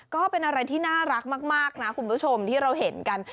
ก็เป็นอะไรที่น่ารักมากนะคุณผู้ชมที่เราเห็นกัน